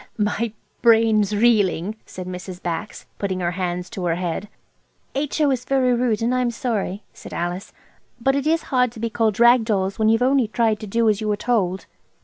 "My brain's reeling," said Mrs. Bax, putting her hands to her head. "H.O. is very rude, and I am sorry," said Alice, "but it is hard to be called rag dolls, when you've only tried to do as you were told."